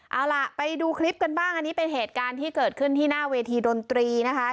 เอาล่ะไปดูคลิปกันบ้างอันนี้เป็นเหตุการณ์ที่เกิดขึ้นที่หน้าเวทีดนตรีนะคะ